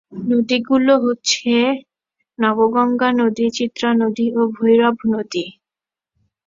নদীগুলো হচ্ছে নবগঙ্গা নদী, চিত্রা নদী ও ভৈরব নদ।